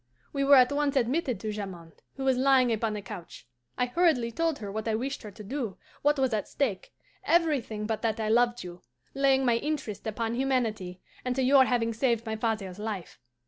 "We were at once admitted to Jamond, who was lying upon a couch. I hurriedly told her what I wished her to do, what was at stake, everything but that I loved you; laying my interest upon humanity and to your having saved my father's life.